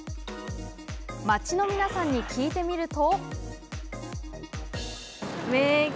街の皆さんに聞いてみると。